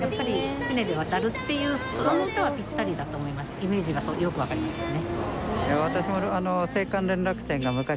イメージがよくわかりますよね。